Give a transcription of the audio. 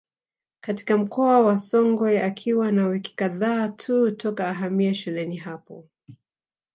Katika mkoa wa Songwe akiwa na wiki kadhaa tu toka ahamie shuleni hapo